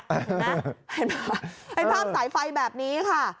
เห็นไหมเป็นภาพสายไฟแบบนี้ค่ะ